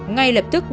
ngay lập tức